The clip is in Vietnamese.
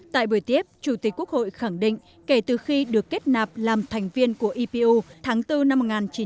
tại buổi tiếp chủ tịch quốc hội khẳng định kể từ khi được kết nạp làm thành viên của epu tháng bốn năm một nghìn chín trăm bảy mươi năm